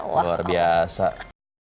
terima kasih tristan